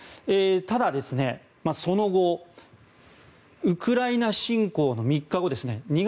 ただ、その後ウクライナ侵攻の３日後ですね